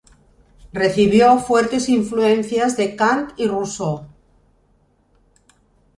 Recibió fuertes influencias de Kant y Rousseau.